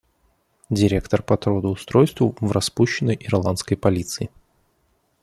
Директор по трудоустройству в распущенной Ирландской полиции.